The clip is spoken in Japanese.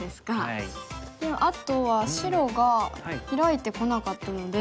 であとは白がヒラいてこなかったので。